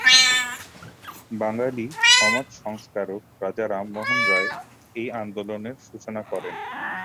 বাঙালি সমাজ সংস্কারক রাজা রামমোহন রায় এই আন্দোলনের সূচনা করেন।